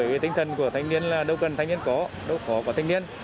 với tinh thần của thanh niên là đâu cần thanh niên có đâu khó có thanh niên